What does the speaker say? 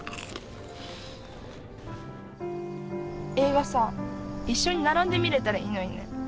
映画さ、一緒に並んで見れたらいいのにね。